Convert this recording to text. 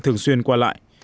thường xuyên qua lại